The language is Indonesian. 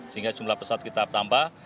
sehingga jumlah pesawat kita tambah